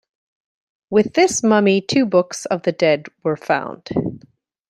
With this mummy two Books of the Dead were found.